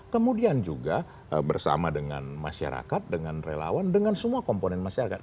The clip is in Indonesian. kemudian juga bersama dengan masyarakat dengan relawan dengan semua komponen masyarakat